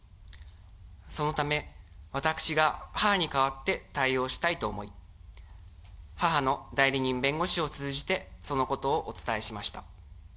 そのため、私が母に代わって対応したいと思い、母の代理人弁護士を通じて、そのことをお伝えしました。